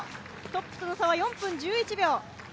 トップとの差は４分１１秒。